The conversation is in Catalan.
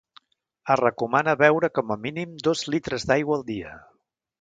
Es recomana beure com a mínim dos litres d'aigua al dia.